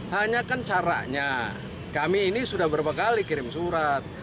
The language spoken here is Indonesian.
hanya kan caranya kami ini sudah berapa kali kirim surat